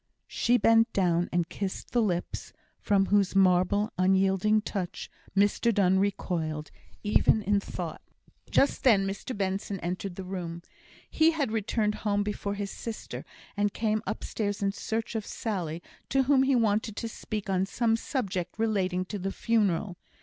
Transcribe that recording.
She bent down and kissed the lips, from whose marble, unyielding touch Mr Donne recoiled, even in thought. Just then, Mr Benson entered the room. He had returned home before his sister, and come upstairs in search of Sally, to whom he wanted to speak on some subject relating to the funeral.